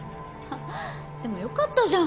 でもよかったじゃん。